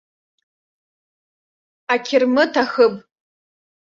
Ақьырмыт, ахыб.